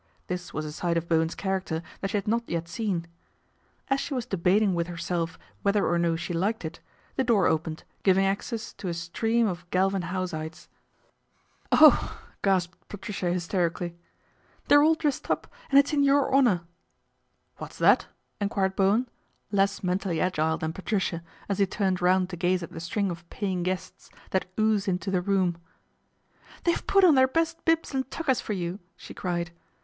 This was a side of Bowen's character that she had not yet seen. A.S she was debating with herself whether or no she liked it, the door opened, giving access to a stream of Galvin Houseites. 68 PATRICIA BRENT, SPINSTER " Oh !" gasped Patricia hysterically, " they're all dressed up, and it's in your honour." " What's that ?" enquired Bowen, less mentally agile than Patricia, as he turned round to gaze at the string of paying guests that oozed into the room. " They've put on their best bibs and tuckers for you/' she cried.